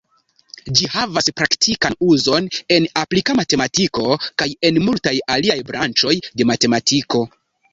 Ĝi havas praktikan uzon en aplika matematiko kaj en multaj aliaj branĉoj de matematiko.